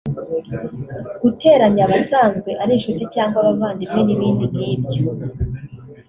guteranya abasanzwe ari inshuti cyangwa abavandimwe n’ibindi nk’ibyo